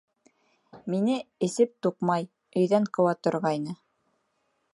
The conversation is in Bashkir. Мине эсеп туҡмай, өйҙән ҡыуа торғайны.